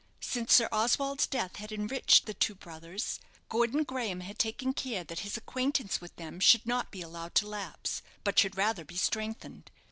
Since Sir Oswald's death had enriched the two brothers, Gordon Graham had taken care that his acquaintance with them should not be allowed to lapse, but should rather be strengthened.